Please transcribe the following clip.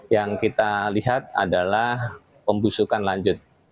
yang kita lihat adalah pembusukan lanjut